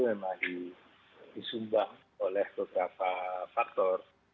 memang disumbang oleh beberapa faktor